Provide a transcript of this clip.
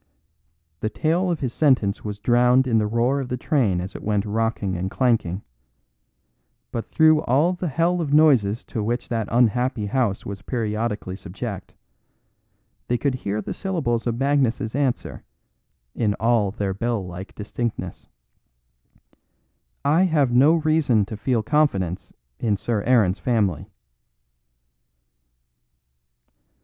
The tail of his sentence was drowned in the roar of the train as it went rocking and clanking; but through all the hell of noises to which that unhappy house was periodically subject, they could hear the syllables of Magnus's answer, in all their bell like distinctness: "I have no reason to feel confidence in Sir Aaron's family."